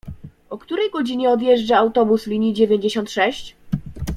O której godzinie odjeżdża autobus linii dziewięćdziesiąt sześć?